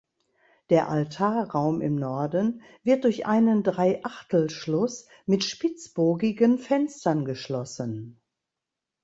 Der Altarraum im Norden wird durch einen Dreiachtelschluss mit spitzbogigen Fenstern geschlossen.